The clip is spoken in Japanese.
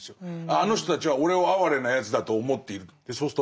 あの人たちは俺を哀れなやつだと思っていると。